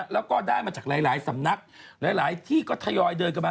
แล้วก็ได้มาจากหลายสำนักหลายที่ก็ทยอยเดินกันมา